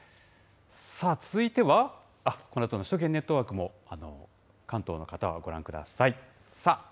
続いては、このあとの首都圏ネットワークも関東の方はご覧ください。